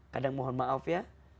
kadang mohon maaf ya